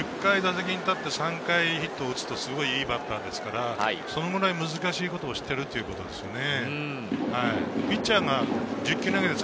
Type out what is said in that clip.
１０回打席に立って、３回ヒットを打つといいバッターですから、そのくらい難しいことをしているということですね。